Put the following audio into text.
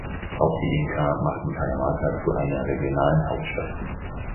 Auch die Inka machten Cajamarca zu einer regionalen Hauptstadt.